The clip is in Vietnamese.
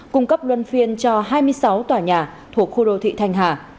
cung cấp luân phiên cho hai mươi sáu tòa nhà thuộc khu đô thị thanh hà